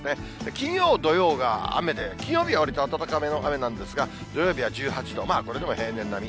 金曜、土曜が雨で、金曜日はわりと暖めの雨なんですが、土曜日は１８度、これでも平年並み。